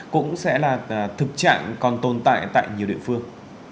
cũng sẽ là thực trạng còn tồn tại tại nhiều địa phương